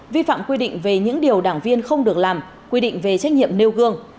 vi phạm quy định về những điều đảng viên không được làm quy định về trách nhiệm nêu gương